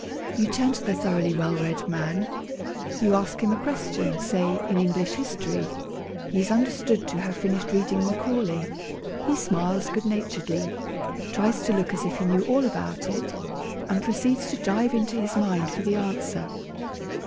You turn to the thoroughly well read man. You ask him a question, say, in English history (he is understood to have just finished reading Macaulay). He smiles good naturedly, tries to look as if he knew all about it, and proceeds to dive into his mind for the answer.